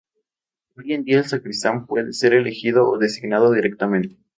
Hoy en día el sacristán puede ser elegido o designado directamente.